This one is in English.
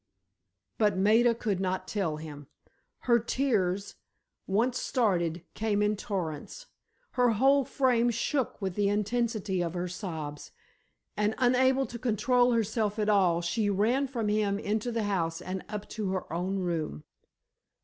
But Maida could not tell him. Her tears, once started, came in torrents. Her whole frame shook with the intensity of her sobs, and, unable to control herself at all, she ran from him into the house and up to her own room.